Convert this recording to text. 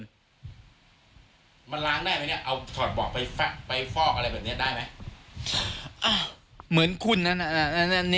มันล้างได้ไหมเนี่ยเอาถอดเบาะไปฟักไปฟอกอะไรแบบนี้ได้ไหม